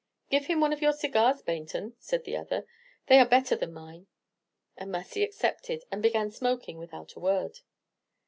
"Give him one of your cigars, Baynton," said the other; "they are better than mine." And Massy accepted, and began smoking without a word.